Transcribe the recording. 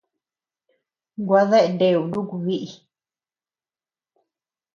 Gua dea neu nuku biʼi.